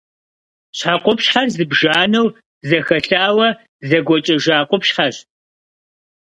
Щхьэ къупщхьэр зыбжанэу зэхэлъауэ, зэгуэкӏэжа къупщхьэщ.